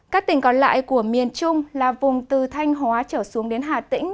các tỉnh còn lại của miền trung là vùng từ thanh hóa trở xuống đến hà tĩnh